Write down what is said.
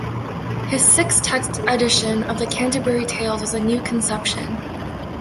His "Six-Text" edition of the "Canterbury Tales" was a new conception.